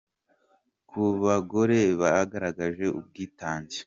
ku bagore bagaragaje ubwitange.